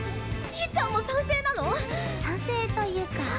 ちぃちゃんも賛成なの⁉賛成というか。